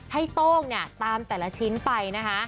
โต้งเนี่ยตามแต่ละชิ้นไปนะคะ